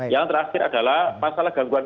yang terakhir adalah masalah gangguan